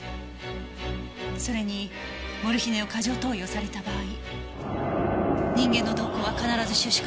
それにモルヒネを過剰投与された場合人間の瞳孔は必ず収縮します。